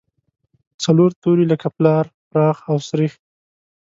څلور توري لکه پلار، پراخ او سرېښ.